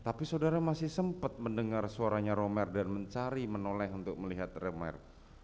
tapi saudara masih sempat mendengar suaranya romer dan mencari menoleh untuk melihat romer